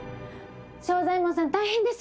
正左衛門さん大変です！